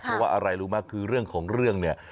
เพราะว่าอะไรรู้ไหมคือเรื่องของเรื่องเนี่ย